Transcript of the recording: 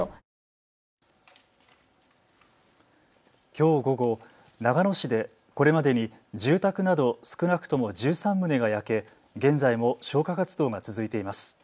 きょう午後、長野市でこれまでに住宅など少なくとも１３棟が焼け現在も消火活動が続いています。